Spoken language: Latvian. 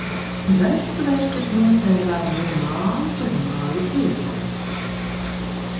Verstu verstis nostaigāja, no mājas uz māju iedami.